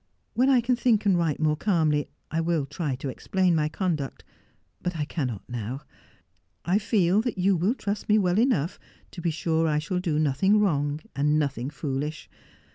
When I can think and write more calmly I will try to explain my conduct, but I cannot now. I feel that you will trust me well enough to be sure I shall do nothing wrong, and nothing foolish.